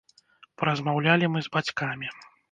Паразмаўлялі мы з бацькамі.